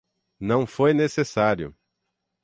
Não foi necessário.